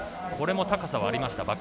これも高さはありました。